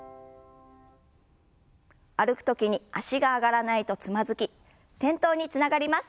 歩く時に脚が上がらないとつまずき転倒につながります。